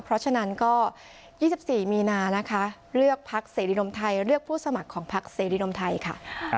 เพราะฉะนั้นก็๒๔มีนานะคะเลือกพักเสรีรวมไทยเลือกผู้สมัครของพักเสรีรวมไทยค่ะ